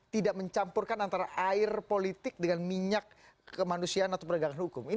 tidak mencampurkan antara air politik dengan minyak kemanusiaan atau penegakan hukum